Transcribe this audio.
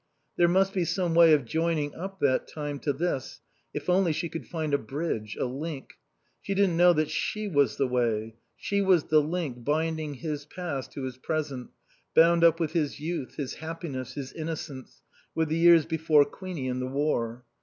There must be some way of joining up that time to this, if only she could find a bridge, a link. She didn't know that she was the way, she was the link binding his past to his present, bound up with his youth, his happiness, his innocence, with the years before Queenie and the War.